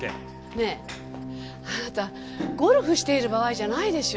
ねえあなたゴルフしている場合じゃないでしょ。